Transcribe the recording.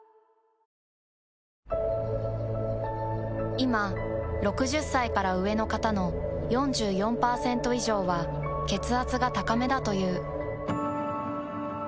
いま６０歳から上の方の４４％以上は血圧が高めだという。